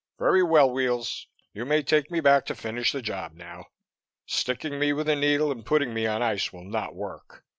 "Very well, Weels. You may take me back to finish the job now. Sticking me with a needle and putting me on ice will not work.